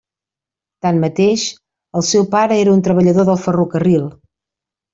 Tanmateix, el seu pare era un treballador del ferrocarril.